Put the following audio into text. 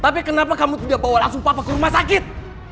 tapi kenapa kamu tidak bawa langsung papa ke rumah sakit